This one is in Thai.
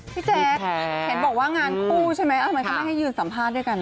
พี่แจ๊คเห็นบอกว่างานคู่ใช่ไหมทำไมเขาไม่ให้ยืนสัมภาษณ์ด้วยกัน